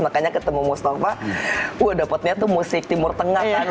makanya ketemu mustafa wah dapatnya tuh musik timur tengah kan